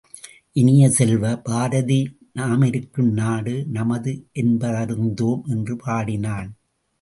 இனிய செல்வ, பாரதி நாமிருக்கும் நாடு நமது என்பதறிந்தோம்! என்று பாடினான்.